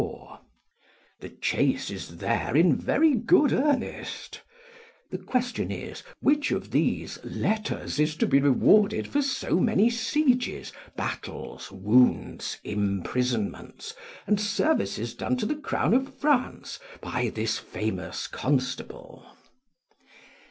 ] the chase is there in very good earnest: the question is, which of these letters is to be rewarded for so many sieges, battles, wounds, imprisonments, and services done to the crown of France by this famous constable?